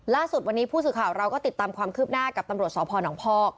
ล่าสุดวันนี้ผู้สื่อข่าวเราก็ติดตามความคืบหน้ากับตำรวจสพนพอก